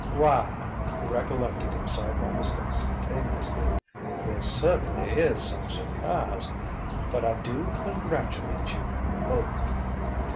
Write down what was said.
"Why!" he recollected himself almost instantaneously "this certainly is some surprise, but I do congratulate you both!"